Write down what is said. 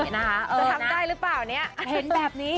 จะทำได้หรือเปล่าเนี่ย